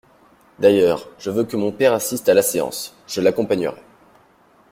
D'ailleurs, je veux que mon père assiste à la séance: je l'accompagnerai.